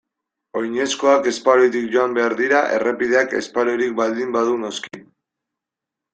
Oinezkoak espaloitik joan behar dira errepideak espaloirik baldin badu noski.